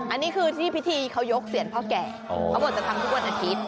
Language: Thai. อันนี้คือที่พิธีเขายกเซียนพ่อแก่เขาบอกจะทำทุกวันอาทิตย์